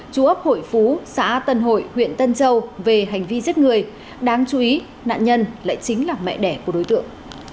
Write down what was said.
chú ấp hội phú xã tân hội huyện tân châu về hành vi giết người đáng chú ý nạn nhân lại chính là mẹ đẻ của đối tượng